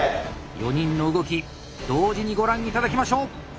４人の動き同時にご覧頂きましょう！